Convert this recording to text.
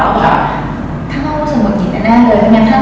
ก็บอกถ้าไม่ออกมาหลังพูดอีกแบบดีกว่า